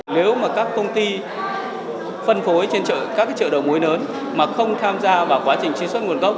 nếu mà các công ty phân phối trên các chợ đầu mối lớn mà không tham gia vào quá trình truy xuất nguồn gốc